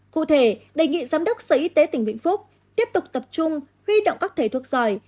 cụ thể đề nghị giám đốc sở y tế tỉnh vĩnh phúc tiếp tục tập trung huy động các thầy thuốc giỏi